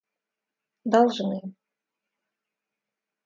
должны